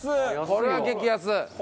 これは激安。